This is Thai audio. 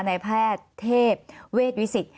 นายแพทย์เทพเวชวิสิต